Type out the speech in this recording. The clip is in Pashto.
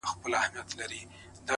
د سړک څنډه تل د تګ او تم ترمنځ وي،